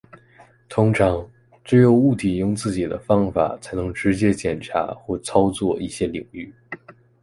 通常，只有物体用自己的方法才能直接检查或操作一些领域。